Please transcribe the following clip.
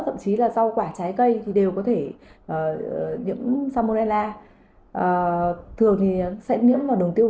thậm chí là rau cầm